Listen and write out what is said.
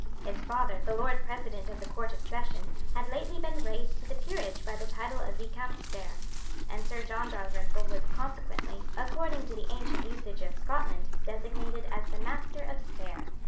His father, the Lord President of the Court of Session, had lately been raised to the peerage by the title of Viscount Stair; and Sir John Dalrymple was consequently, according to the ancient usage of Scotland, designated as the Master of Stair.